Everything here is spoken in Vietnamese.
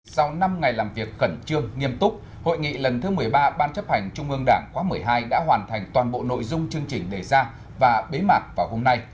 sau năm ngày làm việc khẩn trương nghiêm túc hội nghị lần thứ một mươi ba ban chấp hành trung ương đảng quá một mươi hai đã hoàn thành toàn bộ nội dung chương trình đề ra và bế mạc vào hôm nay